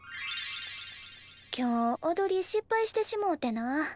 今日おどり失敗してしもうてな。